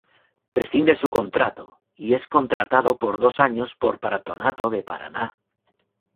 Rescinde su contrato y es contratado por dos años por Patronato de Paraná.